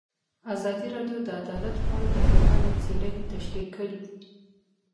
ازادي راډیو د عدالت په اړه د پوهانو څېړنې تشریح کړې.